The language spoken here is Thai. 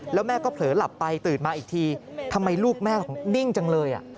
แล้วแม่ก็เผลอหลับไปตื่นมาอีกทีทำไมลูกแม่ของนิ่งจังเลย